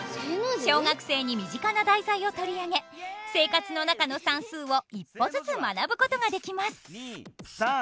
小学生に身近な題材を取り上げ生活の中の算数を一歩ずつ学ぶことができます。